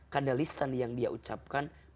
karena lisannya yang dia ucapkan